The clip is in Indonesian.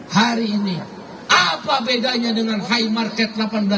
hari ini apa bedanya dengan high market seribu delapan ratus dua puluh lima